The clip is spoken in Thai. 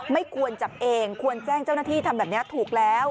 ไม่ควรจับเองควรแจ้งเจ้าหน้าที่ทำแบบนี้ถูกแล้ว